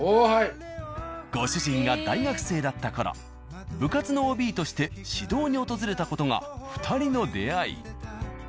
ご主人が大学生だったころ部活のＯＢとして指導に訪れた事が２人の出会い。